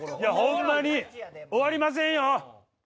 ホンマに終わりませんよ！